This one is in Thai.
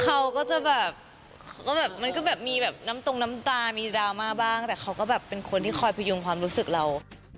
เขาก็จะแบบมีน้ำตรงน้ำตามีดราม่าบ้างแต่เขาก็เป็นคนที่คอยพยุงความรู้สึกเรา